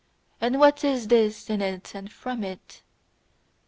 and what is this in it and from it?